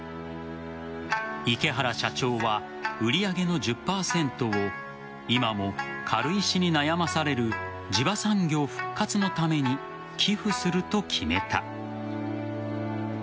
池原社長は売り上げの１０％を今も軽石に悩まされる地場産業復活のために寄付すると決めた。